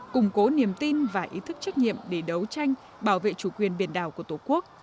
củng cố niềm tin và ý thức trách nhiệm để đấu tranh bảo vệ chủ quyền biển đảo của tổ quốc